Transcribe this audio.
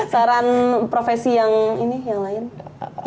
saran profesi yang ini yang lain